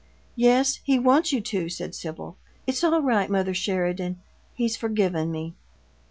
"Yes, he wants you to," said Sibyl. "It's all right, mother Sheridan. He's forgiven me."